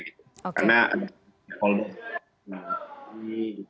karena ada kolonialisasi